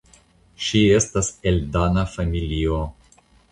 Ŝi estas el dana familio.